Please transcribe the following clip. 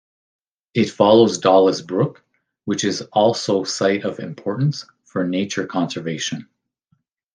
It follows Dollis Brook, which is also Site of Importance for Nature Conservation.